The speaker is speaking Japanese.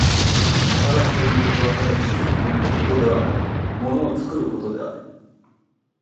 働くということはただ意志するということではない、物を作ることである。